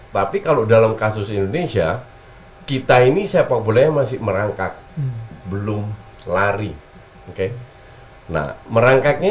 tapi kalau dalam kasus indonesia kita ini sepak bolanya masih merangkak belum lari oke nah merangkaknya